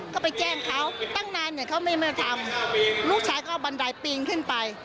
ก็ไปแจ้งเขาตั้งนานเนี่ยเขาไม่มาทำลูกชายก็เอาบันไดปีนขึ้นไป